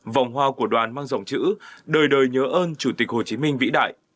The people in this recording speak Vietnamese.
vòng hoa của đoàn mang dòng chữ đời đời nhớ ơn chủ tịch hồ chí minh vĩ đại